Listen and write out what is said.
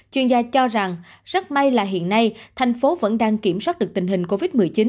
chuyên gia cho rằng rất may là hiện nay thành phố vẫn đang kiểm soát được tình hình covid một mươi chín